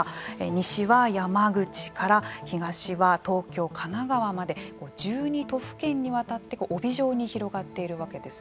西は山口から東は東京、神奈川まで１２都府県にわたって帯状に広がっているわけです。